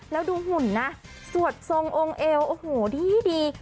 แล้วดูหุ่นนะสวดทรงองค์เอวโอ้โหดี